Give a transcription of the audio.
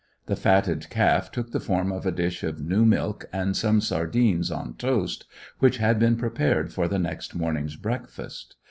The fatted calf took the form of a dish of new milk and some sardines on toast which had been prepared for the next morning's breakfast.